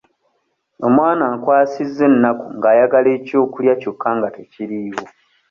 Omwana ankwasizza ennaku ng'ayagala eky'okulya kyokka nga tekiriiwo.